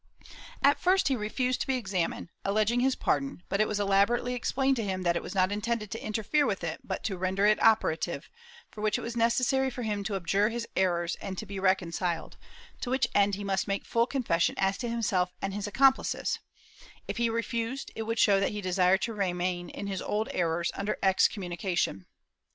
At first he refused to be examined, alleging his pardon, but it was elaborately explained to him that it was not intended to interfere with it but to render it operative, for which it was neces sary for him to abjure his errors and be reconciled, to which end he must make full confession as to himself and his accomplices; if he refused, it would show that he desired to remain in his old errors and under excommunication.